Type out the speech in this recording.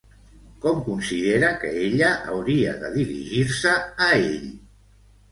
Com considera que ella hauria de dirigir-se a ell?